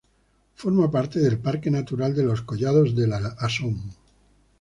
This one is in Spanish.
Forma parte del parque natural de los Collados del Asón.